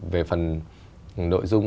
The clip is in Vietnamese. về phần nội dung